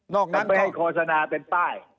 นั้นไม่ให้โฆษณาเป็นป้าย